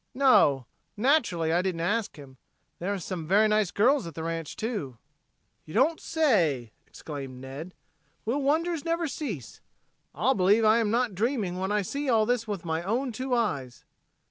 "No. Naturally, I didn't ask him. There are some very nice girls at the ranch, too." "You don't say!" exclaimed Ned. "Will wonders never cease? I'll believe I am not dreaming when I see all this with my own two eyes."